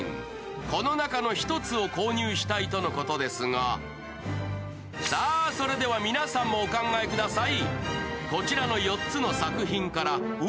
この中の１つを購入したいとのことですが、さあ、皆さんもお考えください。